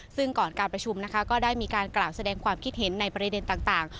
ซึ่งก่อนการประชุมนะคะก็ได้มีการกล่าวแสดงความคิดเห็นในประเด็นต่าง